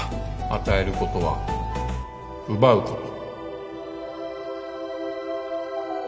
与えることは奪うこと